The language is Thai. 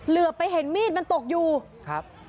เหลือไปเห็นมีดมันตกอยู่ครับ